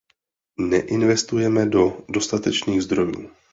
Neinvestujeme do dostatečných zdrojů.